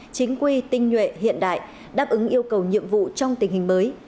chính quy tinh nhuệ hiện đại đáp ứng yêu cầu nhiệm vụ trong tình hình mới